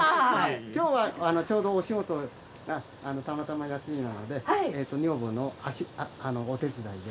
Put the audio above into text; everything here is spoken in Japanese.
今日はちょうどお仕事がたまたま休みなので女房のお手伝いに。